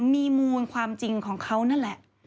มีมูลความจริงของเขานั่นแหละ